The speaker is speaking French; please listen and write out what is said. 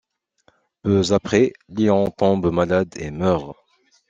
Peu après, Léon tombe malade et meurt.